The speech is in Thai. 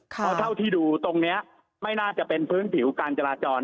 เพราะเท่าที่ดูตรงนี้ไม่น่าจะเป็นพื้นผิวการจราจร